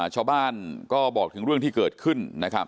ชาวบ้านก็บอกคือเรื่องที่เกิดขึ้น